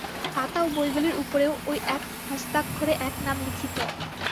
খাতা ও বইগুলির উপরেও ঐ এক হস্তাক্ষরে এক নাম লিখিত।